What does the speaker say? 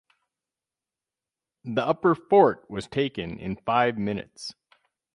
The upper fort was taken in five minutes.